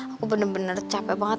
aku bener bener capek banget